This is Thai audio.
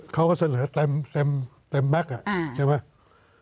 เขาก็เสนอเต็มแก๊กใช่ไหม